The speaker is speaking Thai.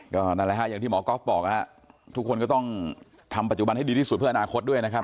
ก็นั่นแหละฮะอย่างที่หมอก๊อฟบอกทุกคนก็ต้องทำปัจจุบันให้ดีที่สุดเพื่ออนาคตด้วยนะครับ